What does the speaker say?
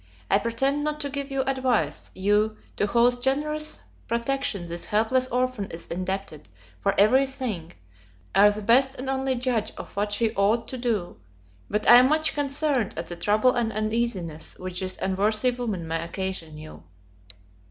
I pretend not to give you advice; you, to whose generous protection this helpless orphan is indebted for every thing, are the best and only judge of what she ought to do; but I am much concerned at the trouble and uneasiness which this unworthy woman may occasion you.